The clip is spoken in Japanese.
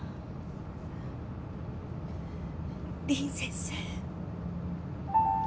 凛先生。